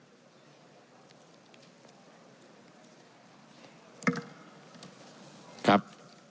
อเจมส์อคุณแรก